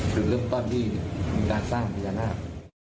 หรือเริ่มต้อนที่มีการสร้างพิญญาณนาค